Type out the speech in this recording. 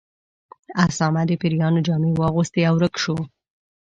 اسامه د پیریانو جامې واغوستې او ورک شو.